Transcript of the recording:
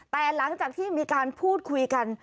แต่หลังจากที่มีการพูดคุยกัน